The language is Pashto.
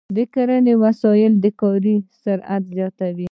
د کرنې وسایل د کاري سرعت زیاتوي.